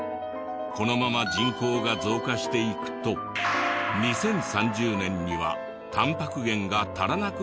このまま人口が増加していくと２０３０年にはタンパク源が足らなくなるというデータも。